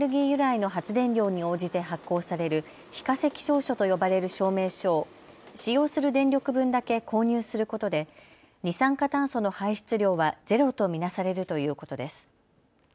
由来の発電量に応じて発行される非化石証書と呼ばれる証明書を使用する電力分だけ購入することで二酸化炭素の排出量はゼロと見なされるということです。